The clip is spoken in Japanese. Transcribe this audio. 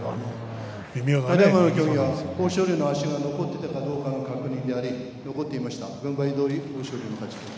豊昇龍の足が残ってるかどうかの確認であり残ってました。